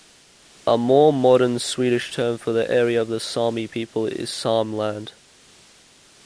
A more modern Swedish term for the area of the Sami people is Sameland.